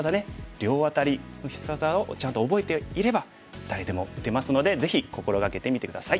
両アタリの必殺技をちゃんと覚えていれば誰でも打てますのでぜひ心掛けてみて下さい。